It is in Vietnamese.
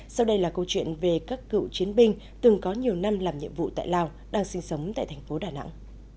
sau đây là câu chuyện về các cựu chiến binh từng có nhiều năm làm nhiệm vụ tại lào đang sinh sống tại thành phố đà nẵng